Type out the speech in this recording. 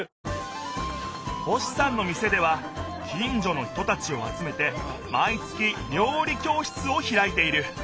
星さんの店では近じょの人たちをあつめてまい月料理教室をひらいている。